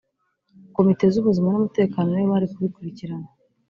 Komite z’ ubuzima n’ umutekano nibo bari kubikurikirana